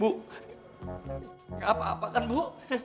bu ga apa apa kan bu